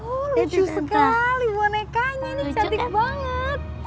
wah lucu sekali bonekanya ini cantik banget